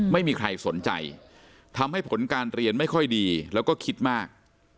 ไม่มีใครสนใจทำให้ผลการเรียนไม่ค่อยดีแล้วก็คิดมาก